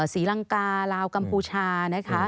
สีลังกาลาวกัมพูชา